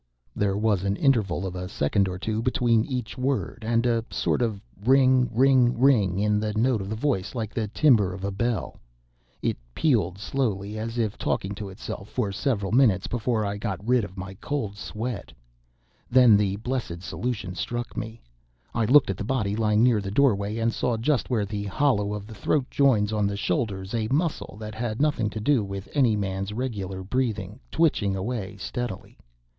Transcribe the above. There was an interval of a second or two between each word, and a sort of "ring, ring, ring," in the note of the voice like the timbre of a bell. It pealed slowly, as if talking to itself, for several minutes before I got rid of my cold sweat. Then the blessed solution struck me. I looked at the body lying near the doorway, and saw, just where the hollow of the throat joins on the shoulders, a muscle that had nothing to do with any man's regular breathing, twitching away steadily.